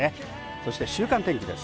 そして週間天気で